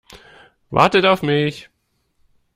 Wartet auf mich!